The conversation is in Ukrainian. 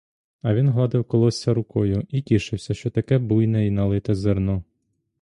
А він гладив колосся рукою і тішився, що таке буйне й налите зерно.